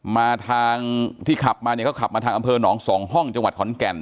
มาทางที่ขับมาเนี่ยเขาขับมาทางอำเภอหนองสองห้องจังหวัดขอนแก่น